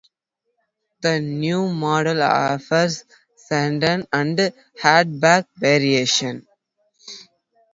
The new model offers sedan and hatchback variations.